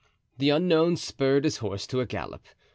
The unknown spurred his horse to a gallop.